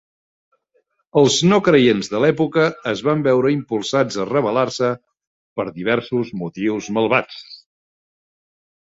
Els no creients de l'època es van veure impulsats a rebel·lar-se per diversos motius malvats.